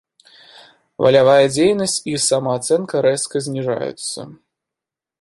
Валявая дзейнасць і самаацэнка рэзка зніжаюцца.